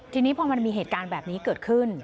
ทีนี้พอมันมีเหตุการณ์แบบนี้เกิดขึ้น